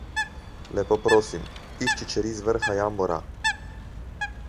Lepo prosim, išči čeri z vrha jambora!